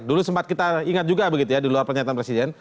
dulu sempat kita ingat juga begitu ya di luar pernyataan presiden